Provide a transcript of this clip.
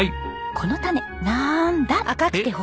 この種なんだ？えっ！？